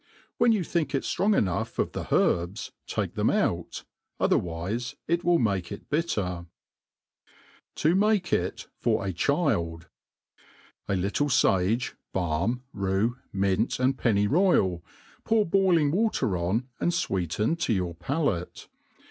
When you think it ftrqng enough of the herbs, take them out, otherwife it will mak^ it bitter. T§ make it fir a Cifld. A little fage, balm, rue, mint* and pcnny royal, pour boiling water on, and fweeten to your palate.